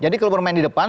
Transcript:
jadi kalau bermain di depan